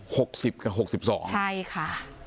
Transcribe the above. หกสิบกับหกสิบสองใช่ค่ะ